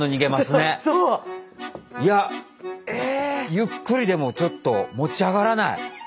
ゆっくりでもちょっと持ち上がらない。